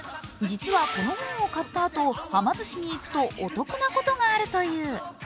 実はこの本を買ったあとはま寿司に行くとお得なことがあるという。